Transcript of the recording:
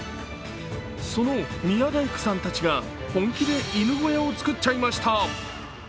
その宮大工さんたちが本気で犬小屋を作っちゃいました。